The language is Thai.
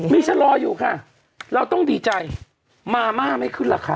มีชะลออยู่ค่ะเราต้องดีใจมาม่าไม่ขึ้นราคา